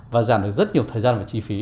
và giảm được rất nhiều thời gian và chi phí